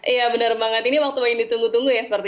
iya benar banget ini waktu yang ditunggu tunggu ya seperti